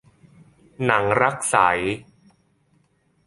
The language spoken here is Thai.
หนังรักใส